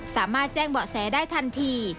สามารถแจ้งเบาะแสได้ทันที